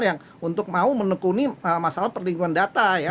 yang untuk mau menekuni masalah perlindungan data ya